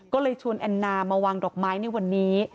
ก็เลยชวนแอนนามาวางดอกไม้ในวันนี้